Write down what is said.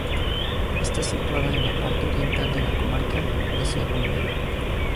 Está situada en la parte oriental de la comarca de Sierra Morena.